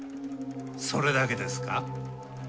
それだけですか？